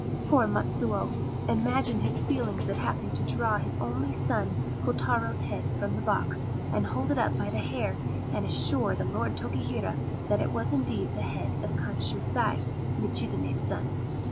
Poor Matsuo ! Imagine his feelings at having to draw his only son Kotaro's head from the box, and hold it up by the hair, and assure the Lord Tokihira that it was indeed the head of Kanshusai, Michizane's son